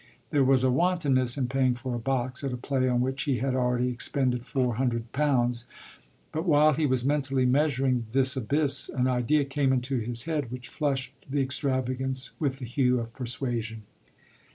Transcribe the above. There was a wantonness in paying for a box at a play on which he had already expended four hundred pounds; but while he was mentally measuring this abyss an idea came into his head which flushed the extravagance with the hue of persuasion.